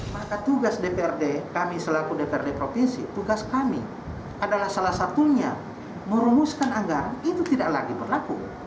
maka tugas dprd kami selaku dprd provinsi tugas kami adalah salah satunya merumuskan anggaran itu tidak lagi berlaku